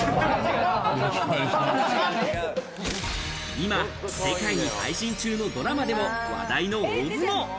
今、世界に配信中のドラマでも話題の大相撲。